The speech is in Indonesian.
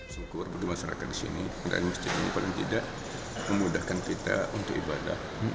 syukur bagi masyarakat di sini penggunaan masjid ini paling tidak memudahkan kita untuk ibadah